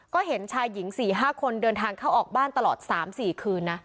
ก็เห็นชายหญิง๔๕คนเดินทางเข้าออกบ้านตลอด๓๔คืนนะ